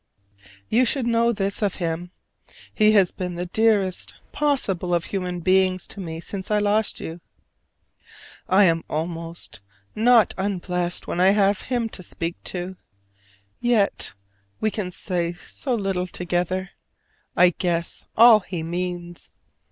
You should know this of him: he has been the dearest possible of human beings to me since I lost you. I am almost not unblessed when I have him to speak to. Yet we can say so little together. I guess all he means.